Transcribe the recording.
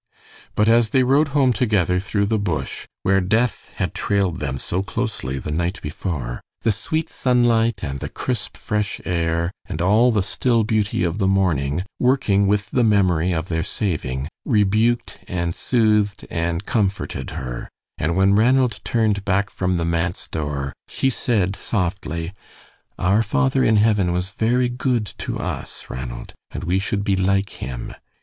But as they rode home together through the bush, where death had trailed them so closely the night before, the sweet sunlight and the crisp, fresh air, and all the still beauty of the morning, working with the memory of their saving, rebuked and soothed and comforted her, and when Ranald turned back from the manse door, she said softly: "Our Father in heaven was very good to us, Ranald, and we should be like him.